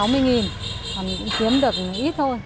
mình cũng kiếm được ít thôi